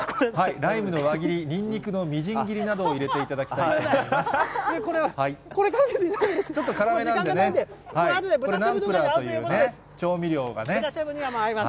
ライムの輪切り、ニンニクのみじん切りなどを入れていただきたいと思います。